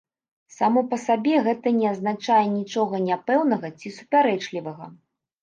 Само па сабе гэта не азначае нічога няпэўнага ці супярэчлівага.